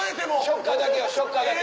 ショッカーだけショッカーだけ。